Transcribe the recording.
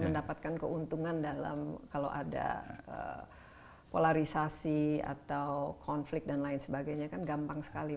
mendapatkan keuntungan dalam kalau ada polarisasi atau konflik dan lain sebagainya kan gampang sekali